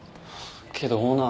けどオーナー